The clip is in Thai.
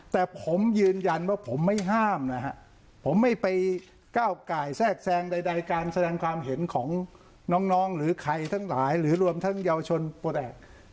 แต่ผมยืนยันว่าผมไม่ห้ามนะฮะผมไม่ไปก้าวไก่แทรกแซงใดการแสดงความเห็นของน้องหรือใครทั้งหลายหรือรวมทั้งเยาวชนปลดแอบ